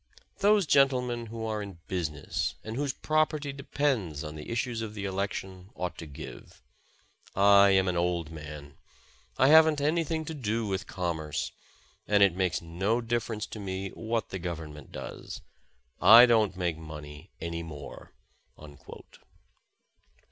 Those gentlemen who are in business, and whose property de pends on the issues of the election, ought to give. I am an old man. I haven ^t anything to do with commerce, and it makes no difference to me what the Government does. I don't make money any more."